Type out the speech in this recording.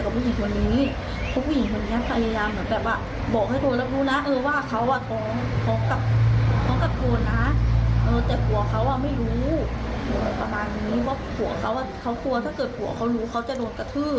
เพราะว่าเขากลัวว่าถ้าเกิดผัวเขารู้เขาจะโดนกระทืบ